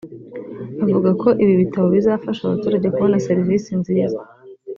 avuga ko ibi bitabo bizafasha abaturage kubona serivisi nziza